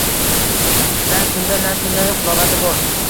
Na kunda, na tunda halovati bor